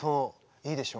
いいでしょ。